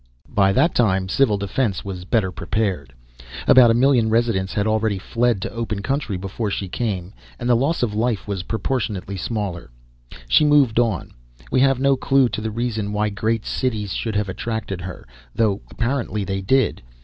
By that time Civil Defense was better prepared. About a million residents had already fled to open country before she came, and the loss of life was proportionately smaller. She moved on. We have no clue to the reason why great cities should have attracted her, though apparently they did.